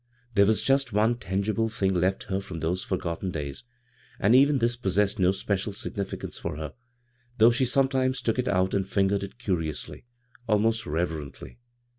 There was just one tangible thing left her from those forgotten days, and even this possessed no special significance for her, though she sometimes took it out and fingered it curiously, almost reverently.